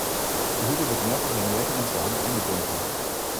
Die Höhle wird mehrfach in Märchen und Sagen eingebunden.